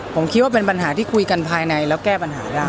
ผมคิดว่าเป็นปัญหาที่คุยกันภายในแล้วแก้ปัญหาได้